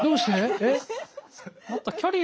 えっ？